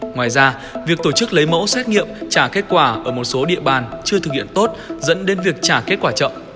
ngoài ra việc tổ chức lấy mẫu xét nghiệm trả kết quả ở một số địa bàn chưa thực hiện tốt dẫn đến việc trả kết quả chậm